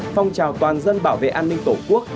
phong trào toàn dân bảo vệ an ninh tổ quốc